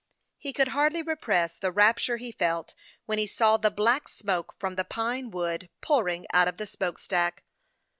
He could hardly repress the rapture he felt when he saw the black smoke from the pine wood pouring out of the smoke stack.